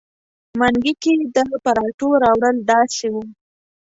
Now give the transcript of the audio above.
منګي کې د پراټو راوړل داسې وو.